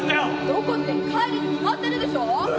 「どこって帰るに決まってるでしょ」。